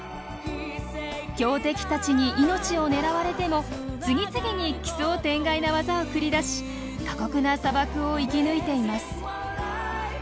強敵たちに命を狙われても次々に奇想天外なワザを繰り出し過酷な砂漠を生き抜いています。